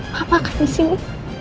mama akan disini